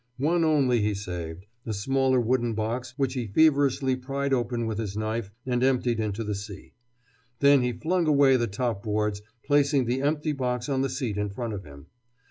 One only he saved, a smaller wooden box which he feverishly pried open with his knife and emptied into the sea. Then he flung away the top boards, placing the empty box on the seat in front of him.